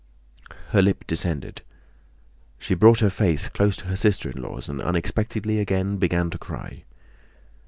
Her lip descended. She brought her face close to her sister in law's and unexpectedly again began to cry.